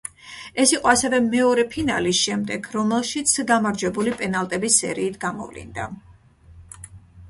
ეს იყო ასევე მეორე ფინალი შემდეგ, რომელშიც გამარჯვებული პენალტების სერიით გამოვლინდა.